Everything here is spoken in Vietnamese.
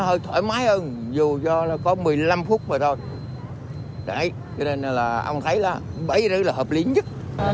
bảy h ba mươi là hợp lý nhất